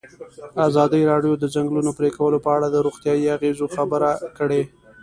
ازادي راډیو د د ځنګلونو پرېکول په اړه د روغتیایي اغېزو خبره کړې.